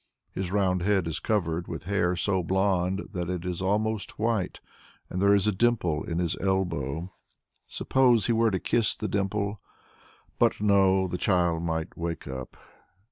His round head is covered with hair so blond that it is almost white, and there is a dimple in his elbow. Suppose he were to kiss the dimple? But no the child might wake up.